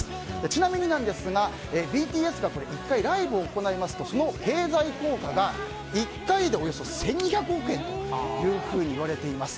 ちなみにＢＴＳが１回ライブを行いますとその経済効果が１回でおよそ１２００億円というふうにいわれています。